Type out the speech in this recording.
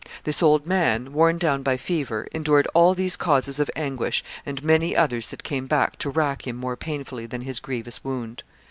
This old man, worn down by fever, endured all these causes of anguish and many others that came to rack him more painfully than his grievous wound.